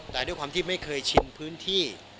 แต่ด้วยความที่ไม่เคยชินพื้นที่